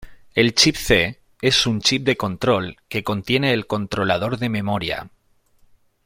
El chip-C es un chip de control que contiene el controlador de memoria.